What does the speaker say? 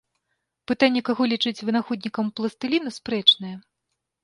Пытанне каго лічыць вынаходнікам пластыліну спрэчнае.